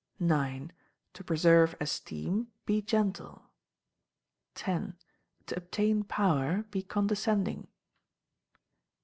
ix. To preserve esteem, be gentle. x. To obtain power, be condescending.